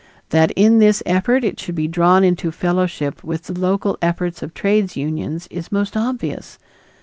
That in this effort it should be drawn into fellowship with the local efforts of trades unions is most obvious.